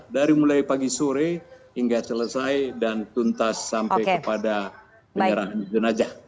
dari mulai pagi sore hingga selesai dan tuntas sampai kepada penyerahan jenazah